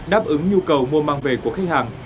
đáp ứng nhu cầu mua mang về của khách hàng